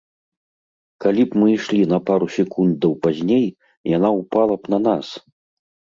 Калі б мы ішлі на пару секундаў пазней, яна ўпала б на нас!